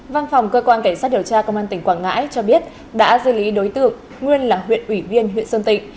văn phòng cơ quan cảnh sát điều tra công an tỉnh quảng ngãi cho biết đã dư lý đối tượng nguyên là huyện ủy viên huyện sơn tịnh